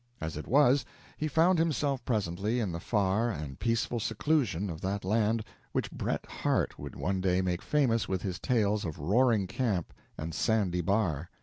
As it was, he found himself presently in the far and peaceful seclusion of that land which Bret Harte would one day make famous with his tales of "Roaring Camp" and "Sandy Bar."